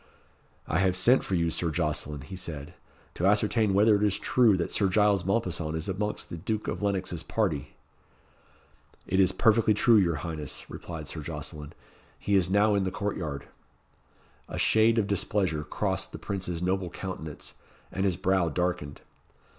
"I have sent for you, Sir Jocelyn," he said, "to ascertain whether it is true that Sir Giles Mompesson is amongst the Duke of Lennox's party." "It is perfectly true, your highness," replied Sir Jocelyn; "he is now in the court yard." A shade of displeasure crossed the Prince's noble countenance, and his brow darkened.